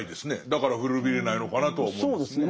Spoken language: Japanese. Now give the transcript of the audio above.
だから古びれないのかなとは思いますね。